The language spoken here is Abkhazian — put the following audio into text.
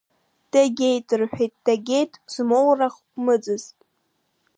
Дагеит, – рҳәеит, дагеит, змоурахә мыӡыз!